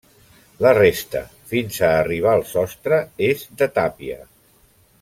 La resta, fins a arribar al sostre, és de tàpia.